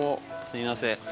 すいません。